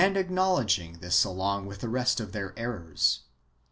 27 acknowledging this along with the rest of their errors.